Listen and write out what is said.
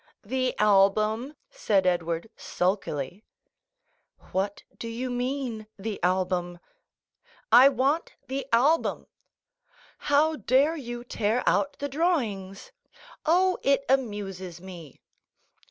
"The album," said Edward sulkily. "What do you mean?—the album!" "I want the album." "How dare you tear out the drawings?" "Oh, it amuses me."